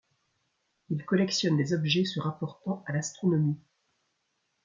Il collectionne des objets se rapportant à l’astronomie.